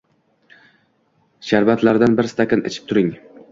Sharbatlardan bir stakan ichib turing.